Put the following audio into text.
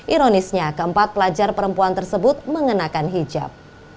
ironisnya keempat pelajar perempuan tersebut mengenakan hijab